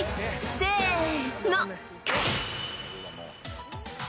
［せの］